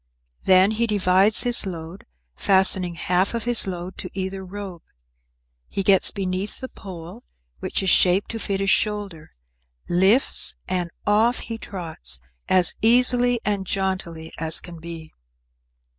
Then he divides his load, fastening half of his load to either rope. He gets beneath the pole, which is shaped to fit his shoulder, lifts, and off he trots as easily and jauntily as can be.